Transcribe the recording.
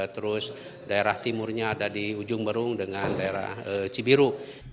terus daerah timurnya ada di ujung berung dengan daerah cibiru